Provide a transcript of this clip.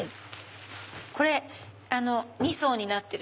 これ２層になってる。